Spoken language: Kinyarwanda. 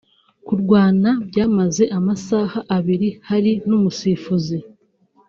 Kurwana byamaze amasaha abiri hari n’umusifuzi